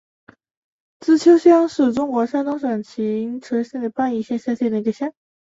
资邱乡是中国山东省临沂市平邑县下辖的一个乡。